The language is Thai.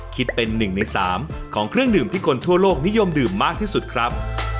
คิดเป็น๑ใน๓ของเครื่องดื่มที่คนทั่วโลกนิยมดื่มมากที่สุดครับ